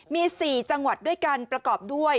มี๔จังหวัดด้วยกันประกอบด้วย